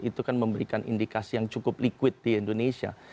itu kan memberikan indikasi yang cukup liquid di indonesia